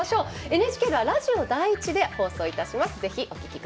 ＮＨＫではラジオ第１で放送します。